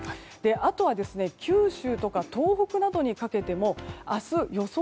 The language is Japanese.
あとは九州とか東北などにかけても明日、予想